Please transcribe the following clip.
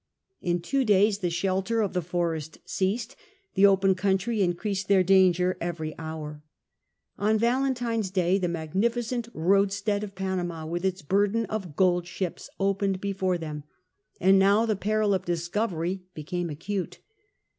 In two days the shelter of the forest ceased. The open country increased their danger every hour. On Valentine's Day the magnificent roadstead of Panama with its burden of gold ships opened before them, and now the peril of discovery became acute.